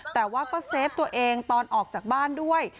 แต่ว่าก็เซฟตัวเองตอนออกจากบ้านด้วย